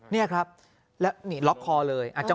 นี่ครับแล้วนี่ล็อกคอเลย